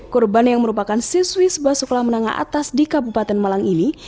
korban yang merupakan siswi sebuah sekolah menengah atas di kabupaten malang ini